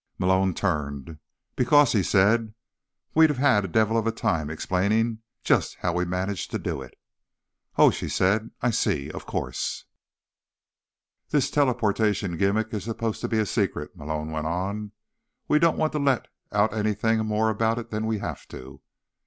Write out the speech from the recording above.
Malone turned. "Because," he said, "we'd have had the devil of a time explaining just how we managed to do it." "Oh," she said. "I see. Of course." "This teleportation gimmick is supposed to be a secret," Malone went on. "We don't want to let out anything more about it than we have to.